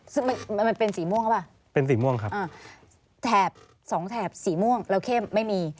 ซึ่งมันเป็นสีม่วงหรือเปล่าแถบ๒แถบสีม่วงแล้วเข้มไม่มี